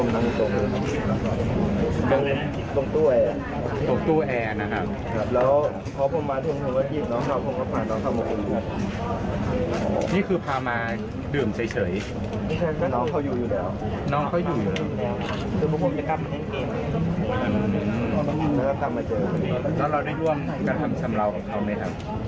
แล้วก็กลับมาเจอกันแล้วเราได้ร่วมการทำซำราวของเขาไหมครับ